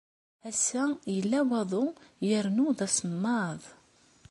Ass-a, yella waḍu yernu d asemmaḍ.